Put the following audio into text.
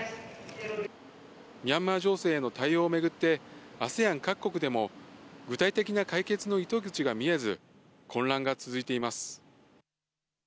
ミャンマー情勢への対応を巡って、ＡＳＥＡＮ各国でも、具体的な解決の糸口が見えず、混乱が続いています。